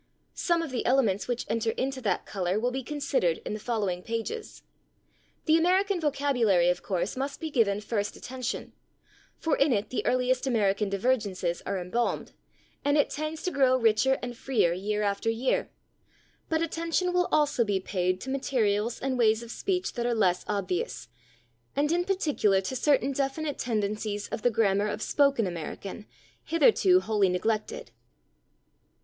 Some of the elements which enter into that color will be considered in the following pages. The American vocabulary, of course, must be given first attention, for in it the earliest American divergences are embalmed and it tends to grow richer and freer year after year, [Pg035] but attention will also be paid to materials and ways of speech that are less obvious, and in particular to certain definite tendencies of the grammar of spoken American, hitherto wholly neglected.